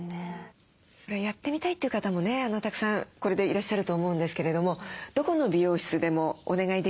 やってみたいという方もねたくさんいらっしゃると思うんですけれどもどこの美容室でもお願いできるものですか？